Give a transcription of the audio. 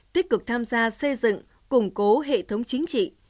tích cực tham gia xây dựng củng cố hệ thống chính trị